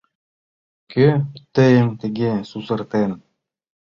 Кӧ тыйым тыге сусыртен?